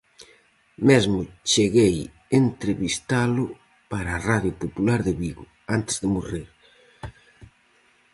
Mesmo cheguei entrevistalo para Radio Popular de Vigo, antes de morrer.